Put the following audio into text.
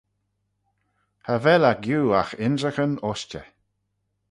Cha vel eh giu agh ynrican ushtey.